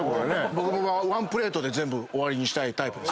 僕はワンプレートで全部終わりにしたいタイプです。